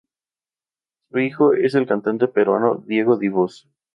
Su hijo es el cantante peruano Diego Dibós.